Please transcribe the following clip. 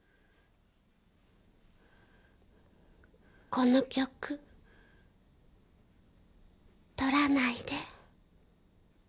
この曲とらないで。